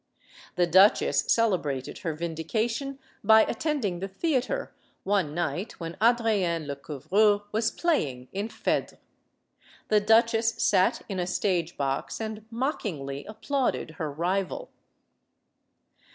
The duchesse celebrated her vindication by attending the theater, one night when Adrienne Lecouvreur was playing in "Phedre." The duchesse sat in a stage box and mockingly applauded her rival.